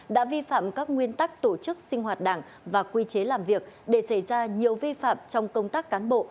đã vi phạm các nguyên tắc tổ chức sinh hoạt đảng và quy chế làm việc để xảy ra nhiều vi phạm trong công tác cán bộ